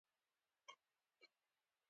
هغه ځوان ته یې ښه ډېر بد رد وویل.